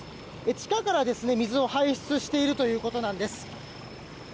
地下から水を排出しているということです。